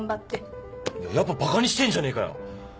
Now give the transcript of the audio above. やっぱバカにしてんじゃねえかよ。